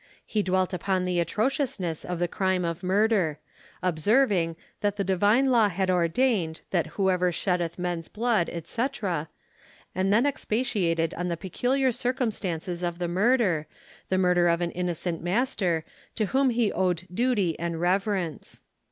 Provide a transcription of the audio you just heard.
He dwelt upon the atrociousness of the crime of murder, observing, that the Divine Law had ordained, that whoever sheddeth man's blood, &c., and then expatiated on the peculiar circumstances of the murder, the murder of an innocent master, to whom he owed duty and reverence.